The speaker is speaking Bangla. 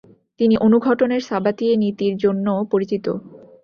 তিনি অনুঘটনের সাবাতিয়ে নীতি'র জন্যও পরিচিত।